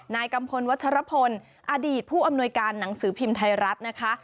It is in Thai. กัมพลวัชรพลอดีตผู้อำนวยการหนังสือพิมพ์ไทยรัฐนะคะ